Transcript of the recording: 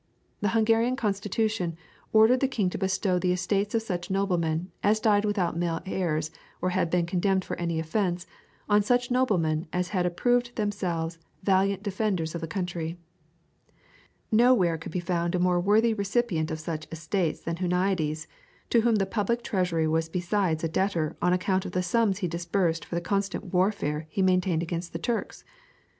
The Hungarian Constitution ordered the king to bestow the estates of such noblemen, as died without male heirs or had been condemned for any offence, on such noblemen as had approved themselves valiant defenders of the country. Now where could be found a more worthy recipient of such estates than Huniades, to whom the public treasury was besides a debtor on account of the sums he disbursed for the constant warfare he maintained against the Turks?